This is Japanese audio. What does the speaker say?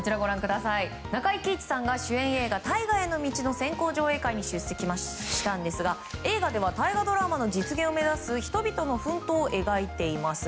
中井貴一さんが主演映画「大河への道」の先行上映会に出席したんですが映画では大河ドラマの実現を目指す人々の奮闘を描いています。